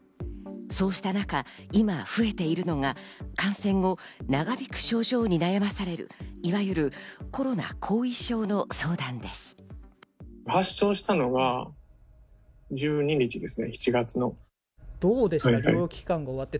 そうした中、今増えているのが感染後、長引く症状に悩まされるいわゆるコロナ後遺症の相談です。